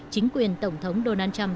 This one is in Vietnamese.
chính quyền tổng thống donald trump